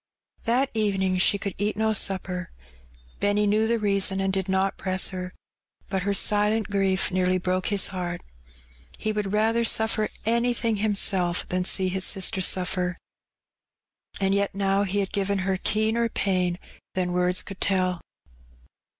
That evening she could eat no supper. Benny knew the reason and did not press her, but her silent grief nearly broke his heart. He would rather suffer anything himself than see his sister suffer. And yet now he had given her keener pain than words could tell.